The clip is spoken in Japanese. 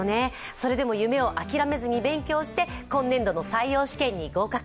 それでも夢を諦めずに勉強して今年度の採用試験に合格。